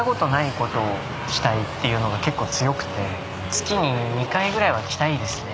月に２回ぐらいは来たいですね